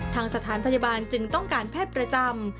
ทางสถานพยาบาลจึงต้องการแพทย์ประจำ